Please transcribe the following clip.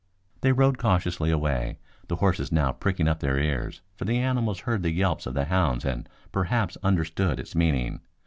They rode cautiously away, the horses now pricking up their ears, for the animals heard the yelps of the hounds and perhaps understood its meaning.